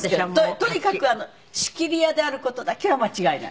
とにかく仕切り屋である事だけは間違いない。